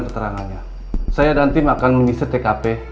keterangannya saya nanti makan mengisi tkp